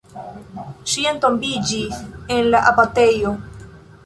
Ŝi entombiĝis en la abatejo.